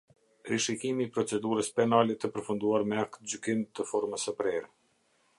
Rishikimi i procedurës penale të përfunduar me aktgjykim të formës së prerë.